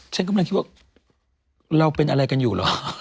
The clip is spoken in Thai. ฉันกำลังคิดว่าเราเป็นอะไรกันอยู่เหรอ